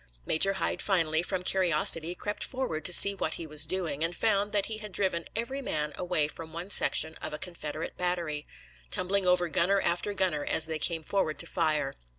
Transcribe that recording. Major Hyde finally, from curiosity, crept forward to see what he was doing, and found that he had driven every man away from one section of a Confederate battery, tumbling over gunner after gunner as they came forward to fire.